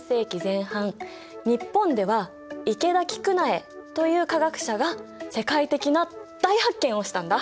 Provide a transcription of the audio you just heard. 日本では池田菊苗という化学者が世界的な大発見をしたんだ！